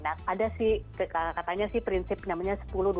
nah ada sih katanya sih prinsip namanya sepuluh dua puluh tiga puluh empat puluh